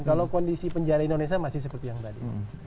kalau kondisi penjara indonesia masih seperti yang tadi